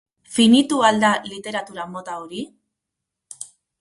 Finitu al da literatura mota hori?